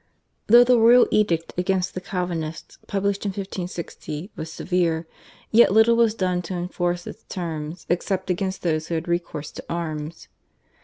Though the royal edict against the Calvinists, published in 1560, was severe, yet little was done to enforce its terms except against those who had recourse to arms.